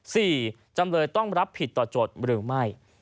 จำเลยต้องรับผิดต่อโจทย์หรือไม่